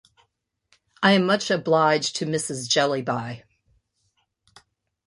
I am much obliged to Mrs. Jellyby.